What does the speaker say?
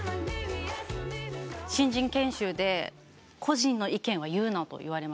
新人研修で「個人の意見は言うな」と言われました。